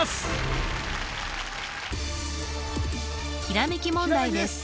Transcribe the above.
ひらめき問題です